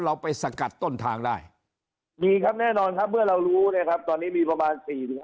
เราไปสกัดต้นทางได้มีครับแน่นอนครับเมื่อเรารู้นะครับตอนนี้มีประมาณ๔๕